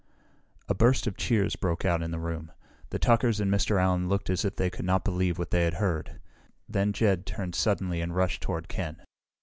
A burst of cheers broke out in the room. The Tuckers and Mr. Allen looked as if they could not believe what they had heard. Then Jed turned suddenly and rushed toward Ken.